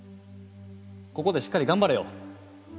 ここでしっかり頑張れよ。